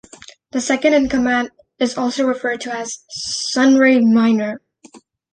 The second-in-command is also referred to as "Sunray Minor".